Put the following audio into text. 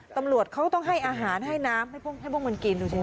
ตำรวจเขาต้องให้อาหารให้น้ำให้พวกมันกินดูสิ